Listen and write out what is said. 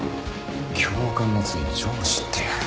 教官の次は上司ってよ。